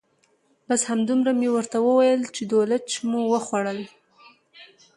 بس همدومره مې ورته وویل چې دولچ مو وخوړل.